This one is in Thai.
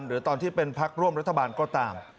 หรือตอนที่เป็นพักร่วมรัฐบาลก็ตาม